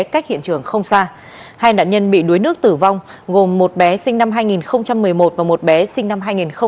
cách hiện trường không xa hai nạn nhân bị đuối nước tử vong gồm một bé sinh năm hai nghìn một mươi một và một bé sinh năm hai nghìn một mươi bảy